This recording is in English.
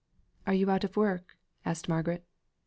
"Are you out of work?" asked Margaret.